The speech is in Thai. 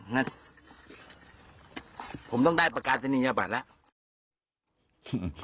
งั้นผมต้องได้ประกาศจนิยมยาบาทแล้ว